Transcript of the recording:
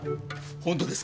本当ですか？